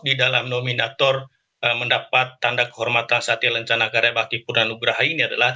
di dalam nominator mendapat tanda kehormatan saat yang rencana karya bakti purna nugraha ini adalah